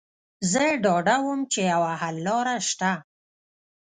زه ډاډه وم چې یوه حل لاره شته